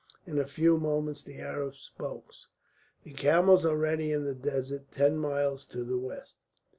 In a few moments the Arab spoke: "The camels are ready in the desert, ten miles to the west."